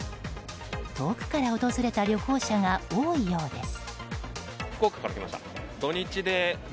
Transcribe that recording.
遠くから訪れた旅行者が多いようです。